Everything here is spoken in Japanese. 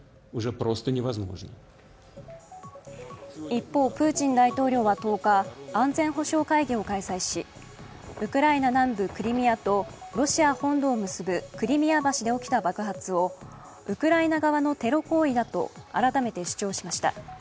一方、プーチン大統領は１０日安全保障会議を開催しウクライナ南部クリミアとロシア本土を結ぶクリミア橋で起きた爆発をウクライナ側のテロ行為だと改めて主張しました。